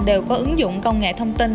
đều có ứng dụng công nghệ thông tin